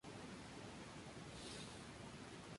Pasó bastante tiempo prisionero del caudillo santiagueño Ibarra.